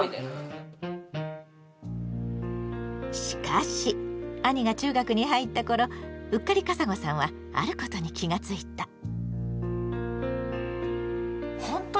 しかし兄が中学に入った頃ウッカリカサゴさんはあることに気が付いた。